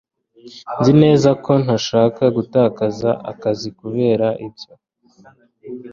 Nzi neza ko ntashaka gutakaza akazi kubera ibyo